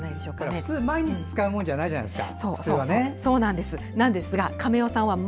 普通、毎日使うものじゃないじゃないですか。